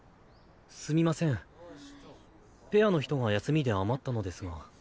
すみませんペアの人が休みで余ったのですが。